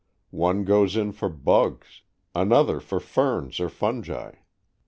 One goes in for bugs, another for ferns or fungi.